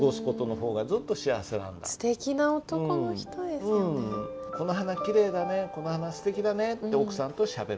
その時も「この花きれいだねこの花すてきだね」って奥さんとしゃべる。